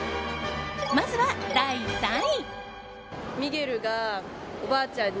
まずは、第３位。